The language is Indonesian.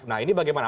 nah ini bagaimana